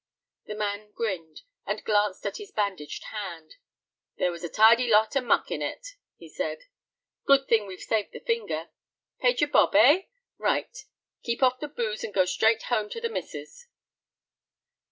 The man grinned, and glanced at his bandaged hand. "There was a tidy lot of muck in it," he said. "Good thing we've saved the finger. Paid your bob, eh? Right. Keep off the booze, and go straight home to the missus."